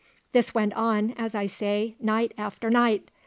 This went on, as I say, night after night.